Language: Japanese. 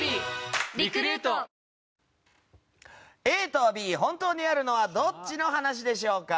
ＡとＢ、本当にあるのはどっちの話でしょうか？